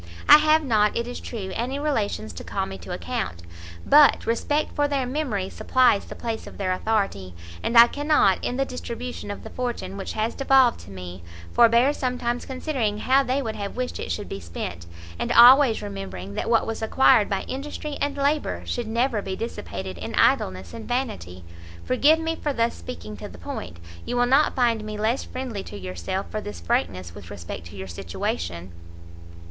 I have not, it is true, any Relations to call me to account, but respect for their memory supplies the place of their authority, and I cannot, in the distribution of the fortune which has devolved to me, forbear sometimes considering how they would have wished it should be spent, and always remembering that what was acquired by industry and labour, should never be dissipated in idleness and vanity. Forgive me for thus speaking to the point; you will not find me less friendly to yourself, for this frankness with respect to your situation."